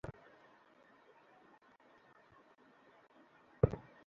মিলনায়তন থেকে বেরিয়ে অনেকেই ইচ্ছা পোষণ করেছেন, সুযোগ পেলে আবারও দেখবেন।